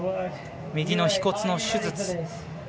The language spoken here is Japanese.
右のひ骨の手術。